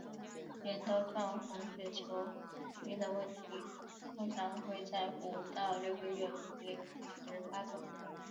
镰刀状红血球疾病的问题通常会在五到六个月龄时发作。